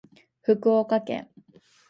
福岡県